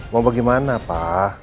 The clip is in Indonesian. mau bagaimana pa